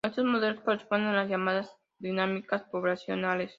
Estos modelos corresponden a las llamadas Dinámicas poblacionales.